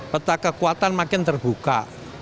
peta kekuatan makin terbuka